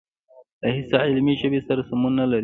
له هېڅ علمي ژبې سره سمون نه خوري.